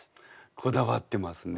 こだわってますね。